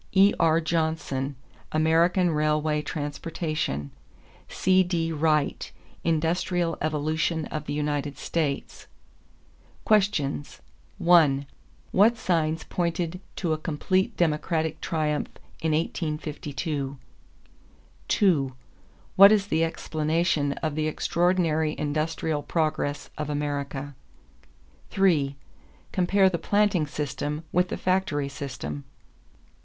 E.R. Johnson, American Railway Transportation. C.D. Wright, Industrial Evolution of the United States. =Questions= 1. What signs pointed to a complete Democratic triumph in 1852? 2. What is the explanation of the extraordinary industrial progress of America? 3. Compare the planting system with the factory system.